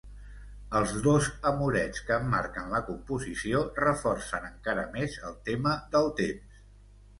Els dos amorets que emmarquen la composició reforcen encara més el tema del temps.